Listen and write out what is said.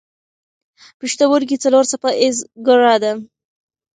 پوښتورګی څلور څپه ایزه ګړه ده.